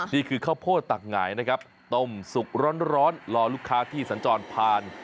นี่คือข้าวโพดตักหงายนะครับต้มสุกร้อนรอลูกค้าที่สัญจรผ่าน